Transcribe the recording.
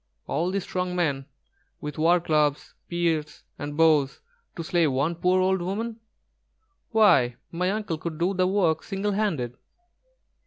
all these strong men with warclubs, spears, and bows, to slay one poor old woman! Why, my uncle could do the work single handed."